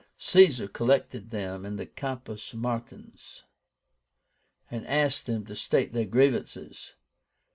Caesar collected them in the Campus Martins, and asked them to state their grievances.